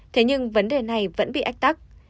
thế nhưng vấn đề này vẫn bị ách tắc